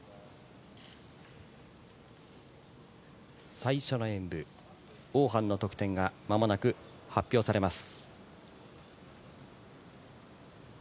最初の演武オーハンの得点がまもなく発表されます。